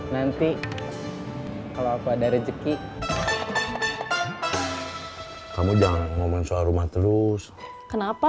nanti kalau aku ada rezeki kamu jangan ngomong soal rumah terus kenapa